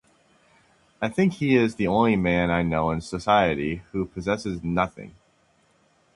I think he is the only man I know in society who possesses nothing.